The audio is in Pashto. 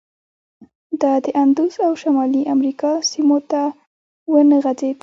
دا د اندوس او شمالي امریکا سیمو ته ونه غځېد.